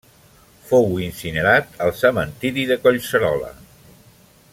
Fou incinerat al cementiri de Collserola.